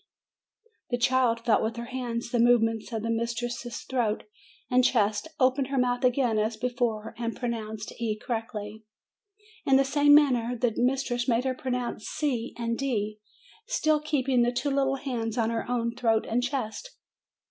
The child felt with her hands the movements of the mistress's throat and chest, opened her mouth again as before, and pronounced "e" correctly. In* the same manner, the mistress made her pro nounce c and d, still keeping the two little hands on her own throat and chest.